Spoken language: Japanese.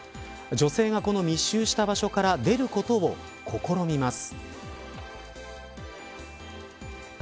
女性が密集した場所から出ることを試みます。